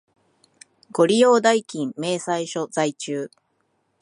ご利用代金明細書在中